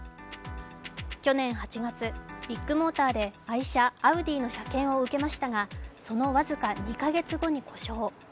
去年８月、ビッグモーターで愛車・アウディの車検を受けましたがその僅か２か月後に故障。